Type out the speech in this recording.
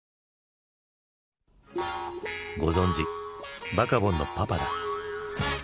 ご存じバカボンのパパだ。